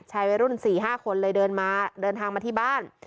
ชายวัยรุ่นสี่ห้าคนเลยเดินมาเดินทางมาที่บ้าน